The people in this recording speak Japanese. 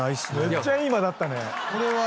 めっちゃいい間だったね。